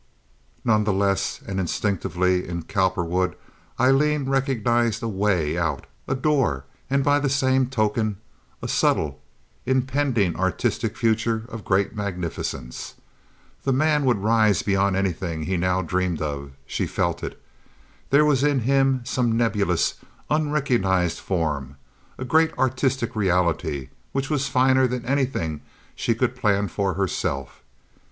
None the less, and instinctively in Cowperwood Aileen recognized a way out—a door—and by the same token a subtle, impending artistic future of great magnificence. This man would rise beyond anything he now dreamed of—she felt it. There was in him, in some nebulous, unrecognizable form, a great artistic reality which was finer than anything she could plan for herself.